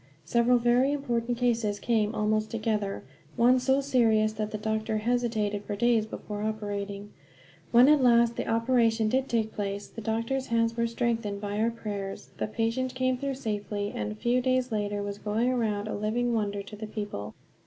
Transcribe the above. Several very important cases came almost together, one so serious that the doctor hesitated for days before operating. When at last the operation did take place the doctor's hands were strengthened by our prayers, the patient came through safely, and a few days later was going around a living wonder to the people.